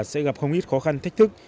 sẽ gặp không ít khó khăn thách thức